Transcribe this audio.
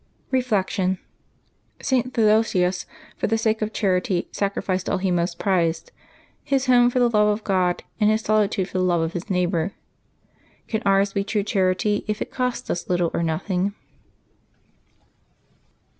Reflection. — St. Theodosius, for the sake of charity, sacrificed all he most prized — his home for the love of God, and his solitude for the love of his neighbor. Can ours be true charity if it costs us little or nothing